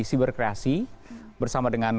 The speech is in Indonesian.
siberkreasi bersama dengan